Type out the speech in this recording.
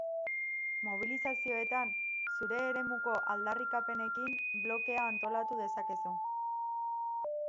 Mobilizazioetan zure eremuko aldarrikapenekin blokea antolatu dezakezu.